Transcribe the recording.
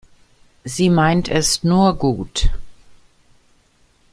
Sie meint es nur gut.